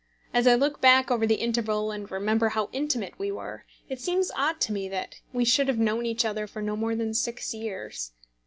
As I look back over the interval and remember how intimate we were, it seems odd to me that we should have known each other for no more than six years.